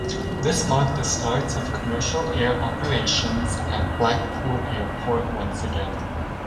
This marked the start of commercial air operations at Blackpool Airport once again.